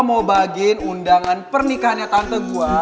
ya kan generate